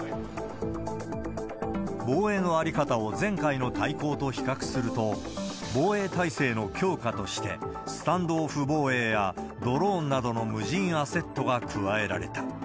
防衛の在り方を前回の大綱と比較すると、防衛体制の強化として、スタンドオフ防衛やドローンなどの無人アセットが加えられた。